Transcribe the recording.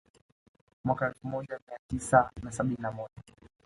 Mwaka elfu moja Mia tisa na sabini na moja